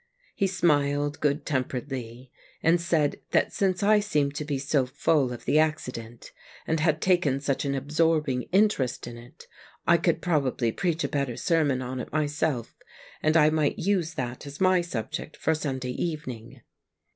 He smiled good temperedly, and said that since I seemed to be so full of the accident, and had taken such an absorbing interest in it, I could probably preach a better sermon on it myself, and I might use that as my subject for Sunday evening.